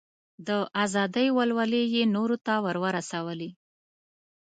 د ازادۍ ولولې یې نورو ته ور ورسولې.